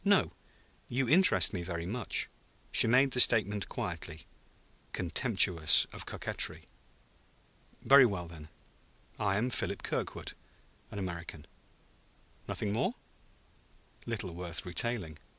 "No; you interest me very much." She made the statement quietly, contemptuous of coquetry. "Very well, then; I am Philip Kirkwood, an American." "Nothing more?" "Little worth retailing."